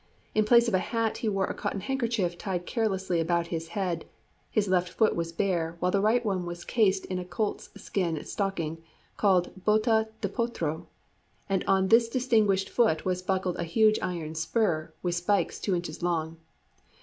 In place of a hat he wore a cotton handkerchief tied carelessly about his head; his left foot was bare, while the right one was cased in a colt's skin stocking, called bota de potro, and on this distinguished foot was buckled a huge iron spur, with spikes two inches long.